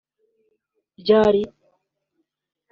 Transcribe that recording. ryari